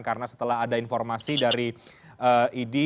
karena setelah ada informasi dari idi